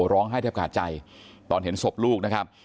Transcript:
ร้องไห้แทบขาดใจตอนเห็นศพลูกนะครับ